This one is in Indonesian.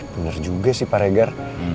benar juga sih pak regar